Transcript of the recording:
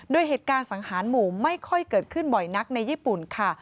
โดยเหตุการณ์สังหารหมู่ไม่ค่อยเกิดขึ้นบ่อยนักในญี่ปุ่นค่ะ